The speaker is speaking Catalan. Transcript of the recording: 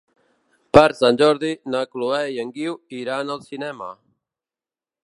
Per Sant Jordi na Chloé i en Guiu iran al cinema.